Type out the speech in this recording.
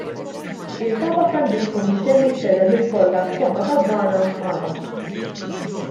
Il-Papa Franġisku mistenni jsellem lill-folla f'Copacabana għada.